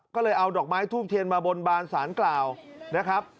ก็เลยเอาดอกไม้ทูบเทียนมาบนบานสารกล่าวนะครับ